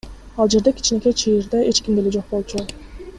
Ал жерде кичинекей чыйырда эч ким деле жок болчу.